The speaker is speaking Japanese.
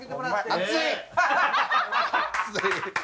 熱い！